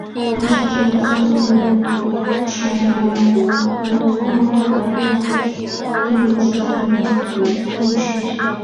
当时这一操作流程由克尔德什应用数学研究所所设计。